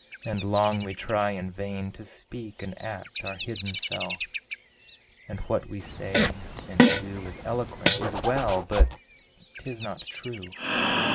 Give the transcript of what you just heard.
And long we try in vain to speak and act Our hidden self, and what we say and do Is eloquent, is well but 'tis not true!